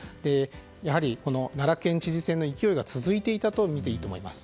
やはり、奈良県知事選の勢いが続いていたとみていいと思います。